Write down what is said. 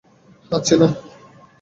হ্যাঁ, ছিলাম তো।